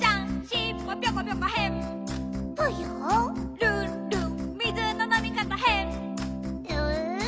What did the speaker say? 「ルンルンみずののみかたへん」えっ？